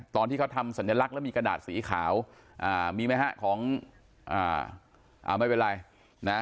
ตอนที่เขาทำสัญลักษณ์แล้วมีกระดาษสีขาวอ่ามีไหมฮะของอ่าอ่าไม่เป็นไรนะ